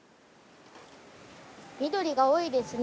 緑が多いですね。